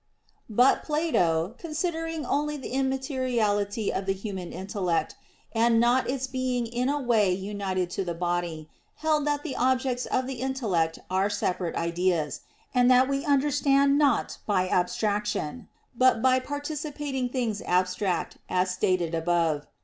But Plato, considering only the immateriality of the human intellect, and not its being in a way united to the body, held that the objects of the intellect are separate ideas; and that we understand not by abstraction, but by participating things abstract, as stated above (Q.